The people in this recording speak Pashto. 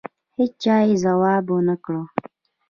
هېچا یې ځواب ونه کړ.